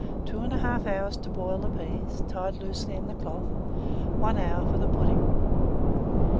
2 1/2 hours to boil the peas, tied loosely in the cloth; 1 hour for the pudding.